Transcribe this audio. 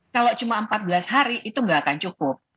kalau cuma empat belas hari itu nggak akan cukup